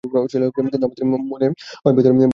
কিন্তু আমাদের মনে হয় ভেতরে যাওয়া দরকার।